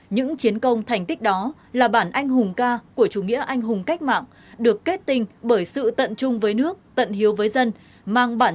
những chiến công thành tích đó là bản anh hùng ca của chủ nghĩa anh hùng cách mạng được kết tinh bởi sự tận chung với nước tận hiếu với dân